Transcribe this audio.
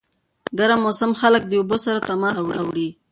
ګرم موسم خلک د اوبو سره تماس ته اړوي.